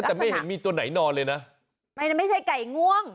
แต่ไม่เห็นมีตัวไหนนอนเลยนะมันไม่ใช่ไก่ง่วง